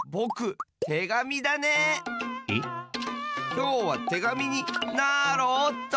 きょうはてがみになろおっと！